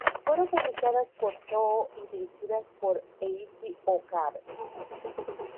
Fueron publicadas por Toho y dirigidas por Eiji Okabe.